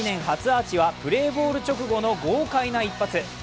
初アーチはプレーボール直後の豪快な一発。